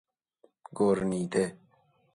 گرنیده